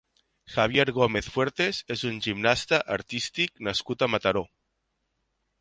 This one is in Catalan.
Javier Gómez Fuertes és un gimnasta artístic nascut a Mataró.